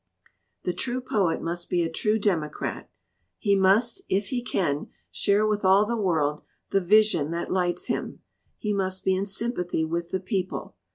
"The true poet must be a true democrat; he must, if he can, share with all the world the vision that lights him; he must be in sympathy with the people.